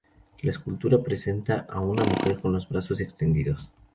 La escultura representa a una mujer con los brazos extendidos.